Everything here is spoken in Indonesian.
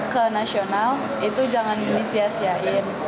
ke nasional itu jangan di misiasiain